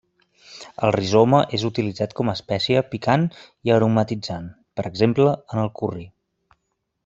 El rizoma és utilitzat com a espècia picant i aromatitzant, per exemple en el curri.